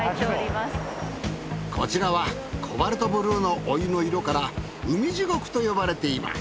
こちらはコバルトブルーのお湯の色から海地獄と呼ばれています。